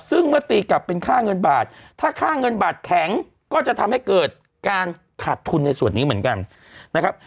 ซึ่งเมื่อตีกลับเป็นค่าเงินบาทถ้าค่าเงินบาทแข็งก็จะทำให้เกิดการขาดทุนในส่วนนี้เหมือนกันนะครับ